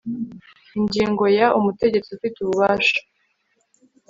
ingingo ya umutegetsi ufite ububasha